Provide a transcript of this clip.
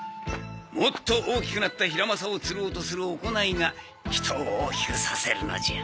もっと大きくなったヒラマサを釣ろうとする行いが人を大きくさせるのじゃ。